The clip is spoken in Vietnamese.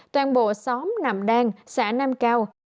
toàn bộ xóm nam đan xã nam cao